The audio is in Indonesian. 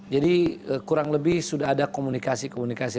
jadi kurang lebih sudah ada komunikasi komunikasi